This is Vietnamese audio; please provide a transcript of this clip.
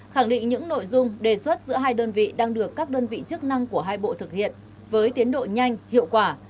khẳng định những nội dung đề xuất giữa hai đơn vị đang được các đơn vị chức năng của hai bộ thực hiện với tiến độ nhanh hiệu quả